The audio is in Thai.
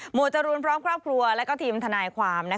จรูนพร้อมครอบครัวและทีมทนายความ